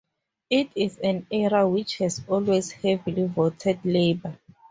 It is an area which has always heavily voted Labor.